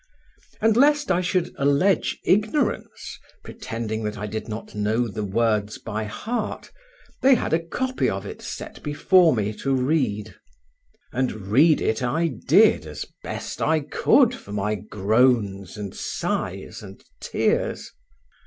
And lest I should allege ignorance, pretending that I did not know the words by heart, they had a copy of it set before me to read. And read it I did as best I could for my groans and sighs and tears.